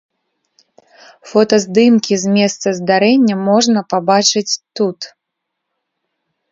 Фотаздымкі з месца здарэння можна пабачыць тут.